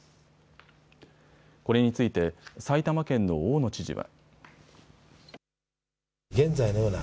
これについて埼玉県の大野知事は。